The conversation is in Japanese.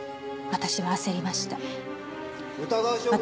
「私は焦りました」